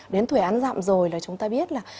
đến tuổi ăn dặm rồi là chúng ta biết là